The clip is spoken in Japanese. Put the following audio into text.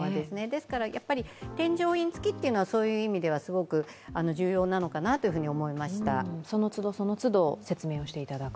ですから、添乗員付きというのは、そういう意味では重要なのかなと思いました。